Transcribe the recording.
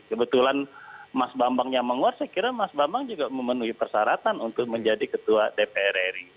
kebetulan mas bambangnya menguat saya kira mas bambang juga memenuhi persyaratan untuk menjadi ketua dpr ri